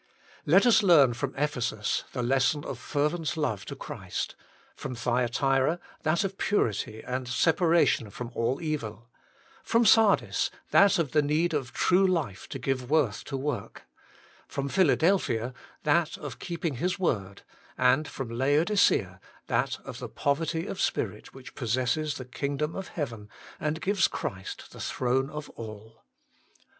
Let us learn from Ephesus the lesson of fervent love to Christ, from Thya tira that of purity and separation from all evil, from Sardis that of the need of true life to give worth to work, from Philadel phia that of keeping His word, and from Laodicea that of the poverty of spirit which possesses the kingdom of heaven, and gives Christ the throne of all